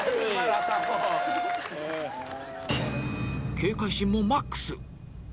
警戒心もマックス